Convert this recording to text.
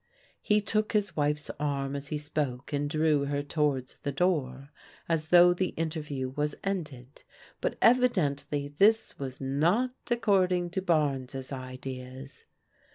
*' He took his wife's arm as he spoke and drew her towards the door, as though the interview was ended, but evidently this was not according to Barnes' ideas.